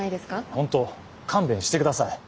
本当勘弁してください。